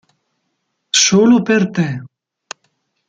Solo per te